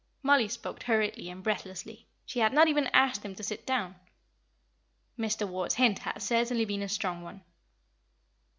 Mollie spoke hurriedly and breathlessly; she had not even asked him to sit down. Mr. Ward's hint had certainly been a strong one.